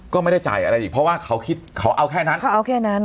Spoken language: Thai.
ก็ไม่ได้จ่ายอะไรอีกเพราะว่าเขาคิดเขาเอาแค่นั้นเขาเอาแค่นั้น